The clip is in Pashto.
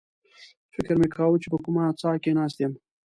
فکر مې کاوه چې په کومه څاه کې ناست یم.